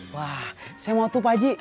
wah saya mau tuh pagi